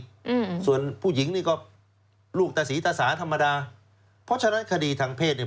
อืมส่วนผู้หญิงนี่ก็ลูกตะศรีตะสาธรรมดาเพราะฉะนั้นคดีทางเพศเนี้ย